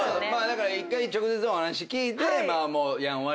１回直接お話聞いてもうやんわり。